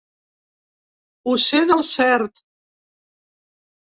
Ho sé del cert.